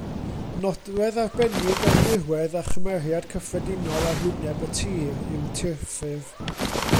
Nodwedd arbennig o'r dirwedd a chymeriad cyffredinol arwyneb y tir yw tirffurf.